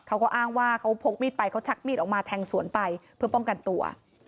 เขาก็อ้างว่าเขาพกมีดไปเขาชักมีดออกมาแทงสวนไปเพื่อป้องกันตัว